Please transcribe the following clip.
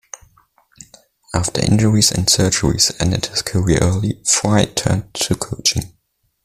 After injuries and surgeries ended his career early, Frye turned to coaching.